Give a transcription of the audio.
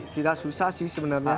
tidak susah sih sebenarnya